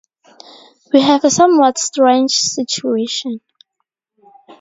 'We have a somewhat strange situation.